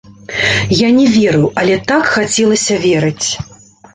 Я не верыў, але так хацелася верыць.